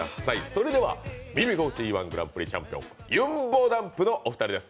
それでは、「耳心地いい−１グランプリ」チャンピオン、ゆんぼだんぷのお二人です。